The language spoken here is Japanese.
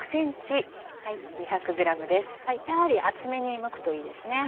やはり厚めにむくといいですね。